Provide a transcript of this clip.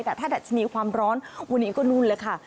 แต่ถ้าดัชนีความร้อนวันนี้ก็นู่นเลยค่ะ